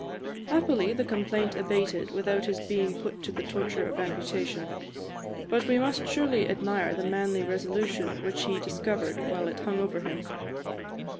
Happily the complaint abated without his being put to the torture of amputation. But we must surely admire the manly resolution which he discovered while it hung over him.